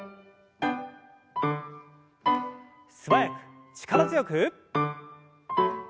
素早く力強く。